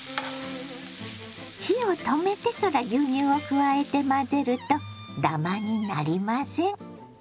火を止めてから牛乳を加えて混ぜるとダマになりません。